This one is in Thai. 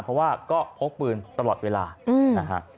เพราะว่าก็พกปืนตลอดเวลานะฮะ